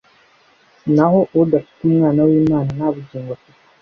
Naho udafite Umwana w'Imana nta bugingo afite.